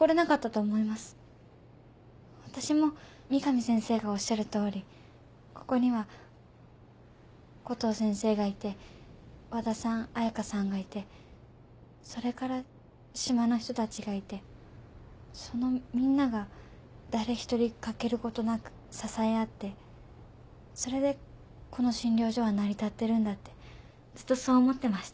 わたしも三上先生がおっしゃるとおりここにはコトー先生がいて和田さん彩佳さんがいてそれから島の人たちがいてそのみんなが誰一人欠けることなく支え合ってそれでこの診療所は成り立ってるんだってずっとそう思ってました。